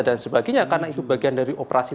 dan sebagainya karena itu bagian dari operasi